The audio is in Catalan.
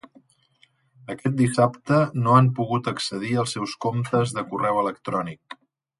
Aquest dissabte no han pogut accedir als seus comptes de correu electrònic.